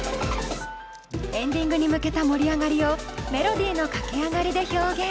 エンディングに向けた盛り上がりをメロディーの駆け上がりで表現。